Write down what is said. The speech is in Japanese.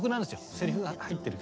セリフが入ってる曲。